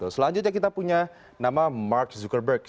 selanjutnya kita punya nama mark zuckerberg